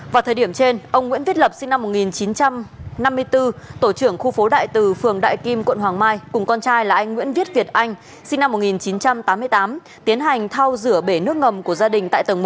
vào thời điểm trên ông nguyễn viết lập sinh năm một nghìn chín trăm năm mươi bốn tổ trưởng khu phố đại từ phường đại kim quận hoàng mai cùng con trai là anh nguyễn viết việt anh sinh năm một nghìn chín trăm tám mươi tám tiến hành thao rửa bể nước ngầm của gia đình tại tầng một